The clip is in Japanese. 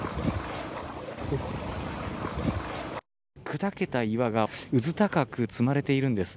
砕けた岩がうず高く積まれているんです。